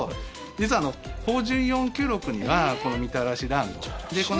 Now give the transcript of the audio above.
実は豊潤４９６にはこのみたらし団子。